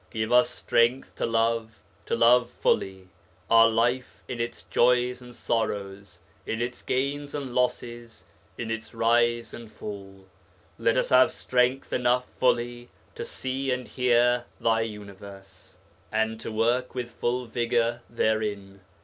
Give us strength to love, to love fully, our life in its joys and sorrows, in its gains and losses, in its rise and fall. Let us have strength enough fully to see and hear thy universe, and to work with full vigour therein.